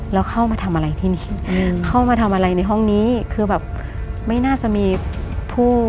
แล้วเข้ามาทำอะไรที่นี่เข้ามาทำอะไรในห้องนี้คือแบบไม่น่าจะมีผู้